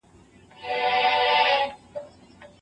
ډیپسیک د نوښت مثال دی.